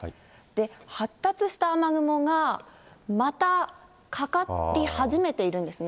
発達した雨雲がまたかかり始めているんですね。